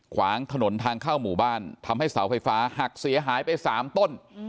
ขวางถนนทางเข้าหมู่บ้านทำให้เสาไฟฟ้าหักเสียหายไป๓ต้น